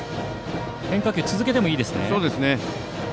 変化球を続けてもいいですね。